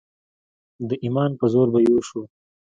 د ایمان په زور به یو شو.